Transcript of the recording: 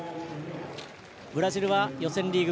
ブラジルは予選リーグ